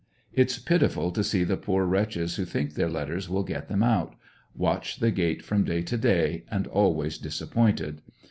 It's pitiful to see the poor wretches who think their letters will get them out, watch the gate from day to day, and always disappointed.